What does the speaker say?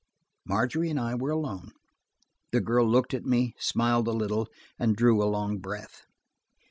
Margery and I were alone. The girl looked at me, smiled a little, and drew a long breath.